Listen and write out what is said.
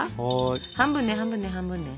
半分ね半分ね半分ね。